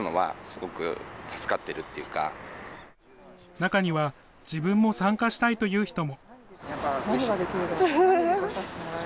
中には、自分も参加したいという人も。